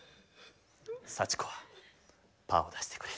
さちこはパーを出してくれ。